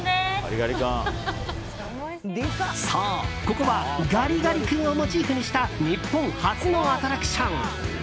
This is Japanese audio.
そう、ここはガリガリ君をモチーフにした日本初のアトラクション。